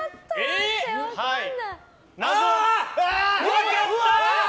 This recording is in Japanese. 分かった！